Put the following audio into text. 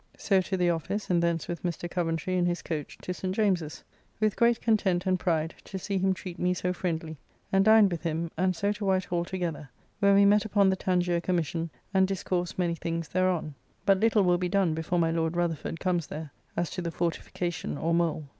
So to the office, and thence with Mr. Coventry in his coach to St. James's, with great content and pride to see him treat me so friendly; and dined with him, and so to White Hall together; where we met upon the Tangier Commission, and discoursed many things thereon; but little will be done before my Lord Rutherford comes there, as to the fortification or Mole.